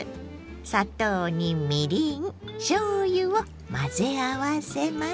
砂糖にみりんしょうゆを混ぜ合わせます。